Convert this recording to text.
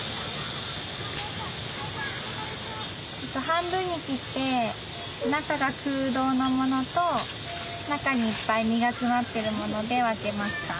半分に切って中が空洞のものと中にいっぱい身がつまってるもので分けました。